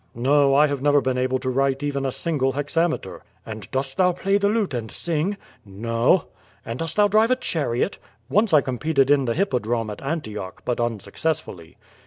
^^o, I have never been able to write even a single hexa metre." "And dost thou play the lute and sing?" *TSro." "And dost thou drive a chariot?" "Once I competed in the hippodrome at Antioch, but un successfully."